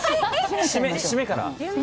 締めから。